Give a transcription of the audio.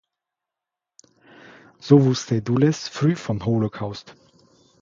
So wusste Dulles früh vom Holocaust.